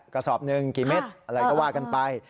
กระสอบหนึ่งกี่เม็ดอะไรก็ว่ากันไป